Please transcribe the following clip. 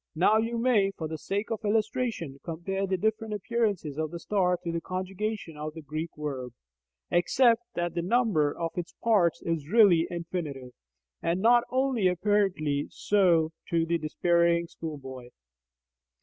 Now you may, for the sake of illustration, compare the different appearances of the star to the conjugation of a Greek verb, except that the number of its parts is really infinite, and not only apparently so to the despairing schoolboy.